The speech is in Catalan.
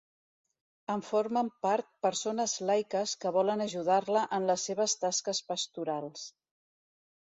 En formen part persones laiques que volen ajudar-la en les seves tasques pastorals.